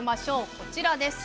こちらです。